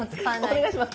お願いします